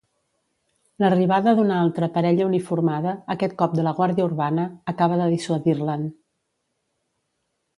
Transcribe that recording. L'arribada d'una altra parella uniformada, aquest cop de la guàrdia urbana, acaba de dissuadir-le'n.